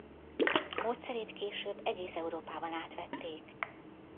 Módszerét később egész Európában átvették.